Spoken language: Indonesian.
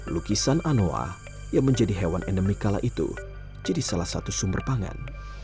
lukisan anoa yang menjadi hewan endemik kala itu jadi salah satu sumber pangan